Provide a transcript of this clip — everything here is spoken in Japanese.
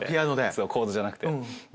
そうコードじゃなくて。